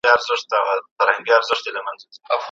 د انسان د نفسیاتي حالت مطالعه د ارواپوهنې برخه ده.